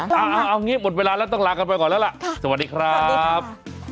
เอางี้หมดเวลาแล้วต้องลากันไปก่อนแล้วล่ะสวัสดีครับ